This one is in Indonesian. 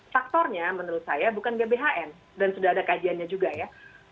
faktornya menurut saya bukan gbhn dan sudah ada kajiannya juga ya